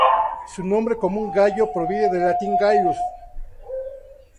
Su nombre común "gayo" proviene del latín "gaius".